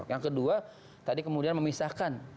yang kedua tadi kemudian memisahkan